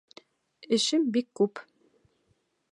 Эшем бик күп...